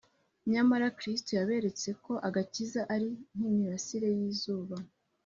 nyamara kristo yaberetse ko agakiza ari nk’imirasire y’izuba